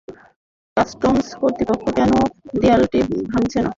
Customs কর্তৃপক্ষ কেন দেয়ালটি ভাঙছে না, সেটি আমরা বুঝতে পারছি না।